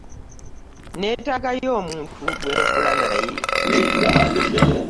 Nneetaagayo omuntu gwe nkola naye.